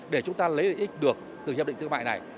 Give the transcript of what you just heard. để chúng ta lấy được từ hiệp định thương mại này